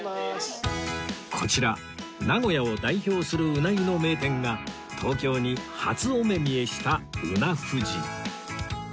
こちら名古屋を代表するうなぎの名店が東京に初お目見えしたうな富士